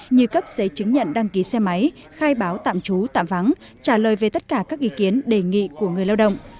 như cấp giấy chứng nhận đăng ký xe máy khai báo tạm trú tạm vắng trả lời về tất cả các ý kiến đề nghị của người lao động